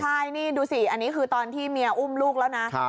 ใช่นี่ดูสิอันนี้คือตอนที่เมียอุ้มลูกแล้วนะ